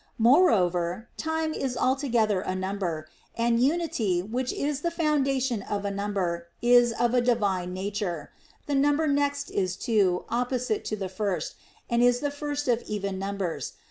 Moreover, time is altogether a number ; and unity, which is the foundation of a number, is of a divine nature. The number next is two, opposite to the first, and is the first of even numbers.